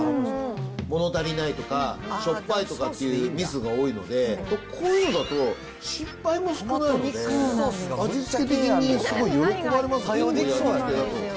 物足りないとか、しょっぱいとかっていうミスが多いので、こういうだと失敗も少ないので、ミックスソースが味付け的にすごい喜ばれますよね。